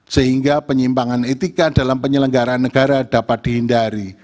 sehingga penyimpangan etika dalam penyelenggaran negara dapat dihindari